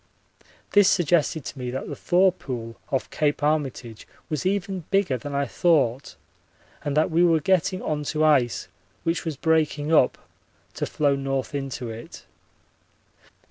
This suggested to me that the thaw pool off Cape Armitage was even bigger than I thought and that we were getting on to ice which was breaking up, to flow north into it.